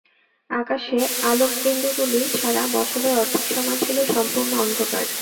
আকাশে আলোক বিন্দুগুলি ছাড়া, বছরের অর্ধেক সময় ছিল সম্পূর্ণ অন্ধকার।